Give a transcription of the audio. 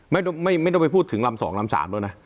ไม่ต้องไปพูดถึงลำ๒ลำ๓แล้วนะ